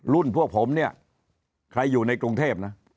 พวกผมเนี่ยใครอยู่ในกรุงเทพนะ